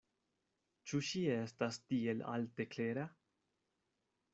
Ĉu ŝi estas tiel alte klera?